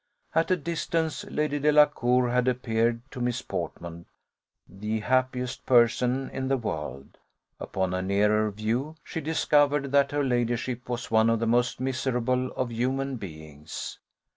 At a distance, Lady Delacour had appeared to Miss Portman the happiest person in the world; upon a nearer view, she discovered that her ladyship was one of the most miserable of human beings.